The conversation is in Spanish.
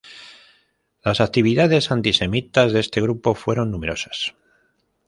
Las actividades antisemitas de este grupo fueron numerosas.